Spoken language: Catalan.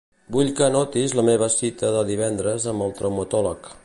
Vull que anotis la meva cita de divendres amb el traumatòleg.